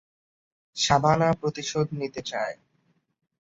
শাবানা প্রতিশোধ নিতে চায়।